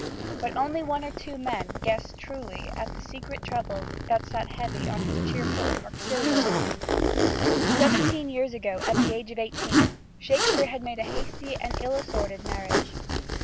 But only one or two men guessed truly at the secret troubles that sat heavy on his cheerful, mercurial mind. Seventeen years ago, at the age of eighteen, Shakespeare had made a hasty and ill assorted marriage.